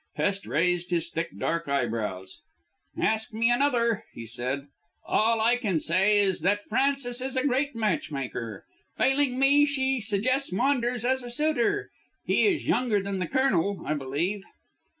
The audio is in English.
Hest raised his thick, dark eyebrows. "Ask me another," he said lightly. "All I can say is that Frances is a great matchmaker. Failing me, she suggests Maunders as a suitor. He is younger than the Colonel, I believe."